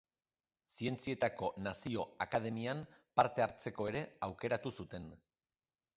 Zientzietako Nazio Akademian parte hartzeko ere aukeratu zuten.